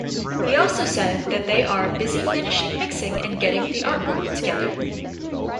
He also said that they are "busy finishing mixing and getting the artwork together".